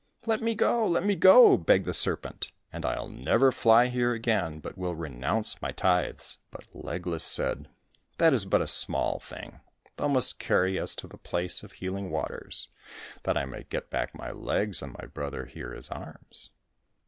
" Let me go ! let me go !" begged the serpent, " and Til never fly here again, but will renounce my tithes." But Legless said, " That is but a small thing. Thou must carry us to the place of healing waters, that I may get back my legs and my brother here his arms."